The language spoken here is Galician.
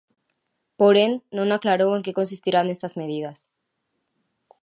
Porén, non aclarou en que consistirán estas medidas.